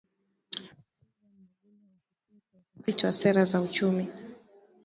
Reagan Mugume wa Kituo cha Utafiti wa Sera za Uchumi